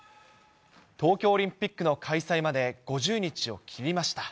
東京オリンピックの開催まで５０日を切りました。